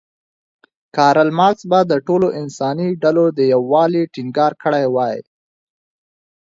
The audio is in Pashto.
کارل مارکس به د ټولو انساني ډلو د یووالي ټینګار کړی وی.